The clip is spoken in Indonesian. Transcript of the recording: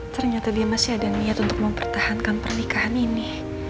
ternyata dia masih ada niat untuk mempertahankan pernikahan ini